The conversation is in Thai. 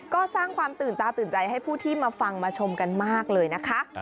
ก็สร้างความตื่นตาตื่นใจให้ผู้ที่มาฟังมาชมกันมากเลยนะคะ